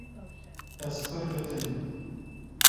Ez pir betilîm.